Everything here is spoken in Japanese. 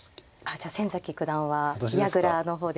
じゃあ先崎九段は矢倉の方ですか？